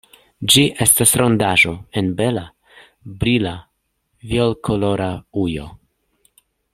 Ĝi estas rondaĵo en bela brila violkolora ujo.